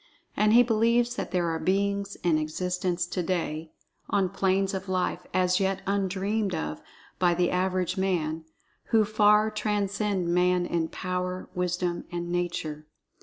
And he believes that there are Beings in existence to day, on planes of Life as yet undreamed of by the average man, who far transcend Man in power, wisdom and nature.